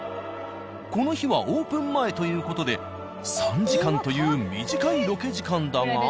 この日はオープン前という事で３時間という短いロケ時間だが。